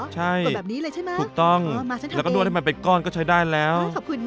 ใช่ถูกต้องแล้วก็นวดให้มันเป็นก้อนก็ใช้ได้แล้ว